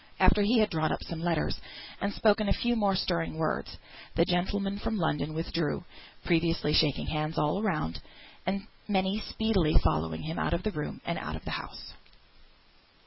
After he had drawn up some letters, and spoken a few more stirring words, the gentleman from London withdrew, previously shaking hands all round; and many speedily followed him out of the room, and out of the house.